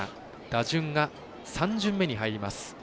打順が３巡目に入ります。